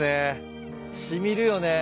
染みるよね。